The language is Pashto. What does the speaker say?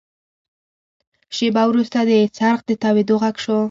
شېبه وروسته د څرخ د تاوېدو غږ شو.